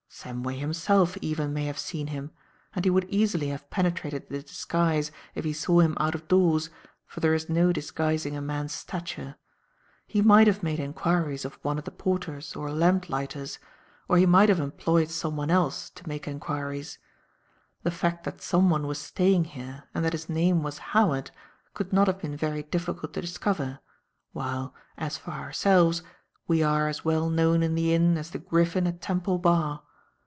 Samway, himself, even, may have seen him, and he would easily have penetrated the disguise if he saw him out of doors, for there is no disguising a man's stature. He might have made enquiries of one of the porters or lamp lighters, or he might have employed someone else to make enquiries. The fact that someone was staying here and that his name was Howard could not have been very difficult to discover, while, as for ourselves, we are as well known in the inn as the griffin at Temple Bar.